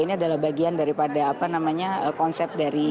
ini adalah bagian daripada apa namanya konsep dari